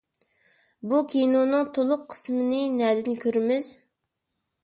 بۇ كىنونىڭ تولۇق قىسمىنى نەدىن كۆرىمىز؟